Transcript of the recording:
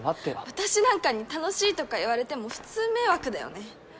私なんかに楽しいとか言われても普通迷惑だよね